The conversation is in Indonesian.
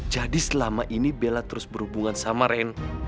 jadi selama ini bella terus berhubungan sama ren